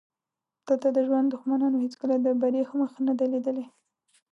دلته د ژوند دښمنانو هېڅکله د بري مخ نه دی لیدلی.